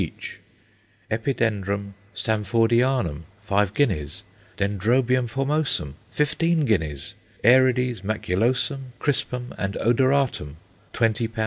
each; Epidendrum Stamfordianum, five guineas; Dendrobium formosum, fifteen guineas; Aerides maculosum, crispum and odoratum 20l.